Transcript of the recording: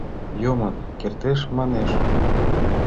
Йомын кертеш, манеш.